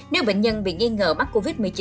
nếu bệnh nhân bị nghi ngờ mắc covid một mươi chín